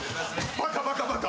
バカバカバカ。